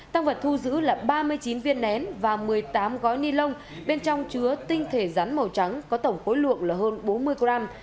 tăng vật thu giữ là ba mươi chín viên nén và một mươi tám gói ni lông bên trong chứa tinh thể rắn màu trắng có tổng khối lượng là hơn bốn mươi gram